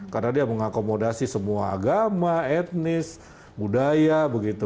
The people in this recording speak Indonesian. karena dia mengakomodasi semua agama etnis budaya begitu